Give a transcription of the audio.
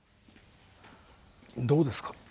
どうですか？